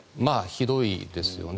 ひどいですよね。